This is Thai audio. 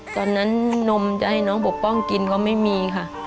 ตอนนั้นนมให้น้องปกป้องกินก็ไม่มีค่ะ